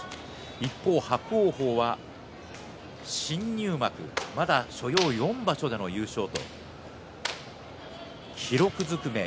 一方、伯桜鵬は新入幕まだ所要４場所での優勝と記録ずくめ。